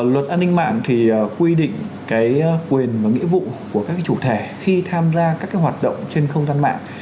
luật an ninh mạng thì quy định cái quyền và nghĩa vụ của các chủ thể khi tham gia các cái hoạt động trên không gian mạng